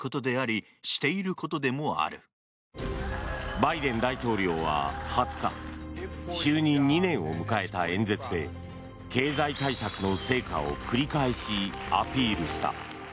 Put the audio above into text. バイデン大統領は２０日就任２年を迎えた演説で経済対策の成果を繰り返しアピールした。